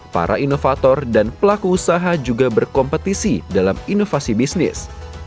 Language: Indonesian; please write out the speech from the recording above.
para inovator dan pelaku usaha juga berkompetisi dalam inovasi bisnis